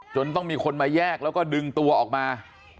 ต้องมีคนมาแยกแล้วก็ดึงตัวออกมา